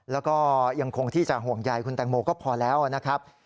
แล้วก็ยังคงที่จะห่วงใยคุณแตงโมก็พอแล้วนะครับ